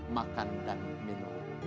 makan dan minum